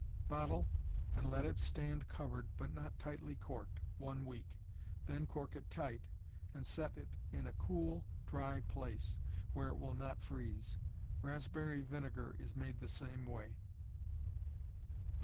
Bottle, and let it stand covered, but not tightly corked, one week; then cork it tight, and set it in a cool, dry place, where it will not freeze. Raspberry vinegar is made the same way.